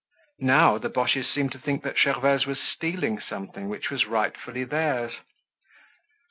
Now the Boches seemed to think that Gervaise was stealing something which was rightfully theirs.